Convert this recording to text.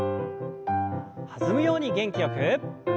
弾むように元気よく。